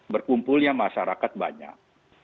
berkumpulnya masyarakat banyak